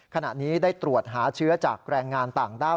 ขณะนี้ได้ตรวจหาเชื้อจากแรงงานต่างด้าว